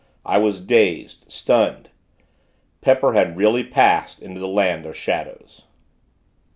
I was dazed stunned. Pepper had really passed into the land of shadows.